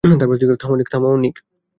থামো, নিক।